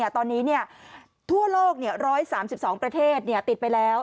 ตอนนี้ทั่วโลก๑๓๒ประเทศติดไปแล้ว